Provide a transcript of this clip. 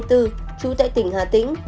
trú tại tỉnh hà tĩnh